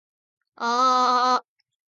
aaaa